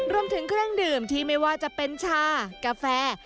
รวมถึงเครื่องดื่มที่ไม่ว่าจะเป็นชากาแฟ